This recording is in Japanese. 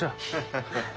ハハハハハ。